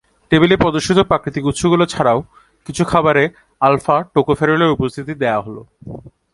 টেবিলে প্রদর্শিত প্রাকৃতিক উৎসগুলি ছাড়াও, কিছু খাবারে আলফা-টোকোফেরলের উপস্থিতি দেওয়া হলো।